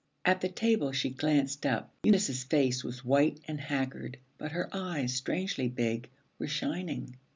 At the table she glanced up. Eunice's face was white and haggard, but her eyes, strangely big, were shining.